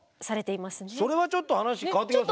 それはちょっと話変わってきますね。